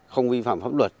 không vi phạm pháp luật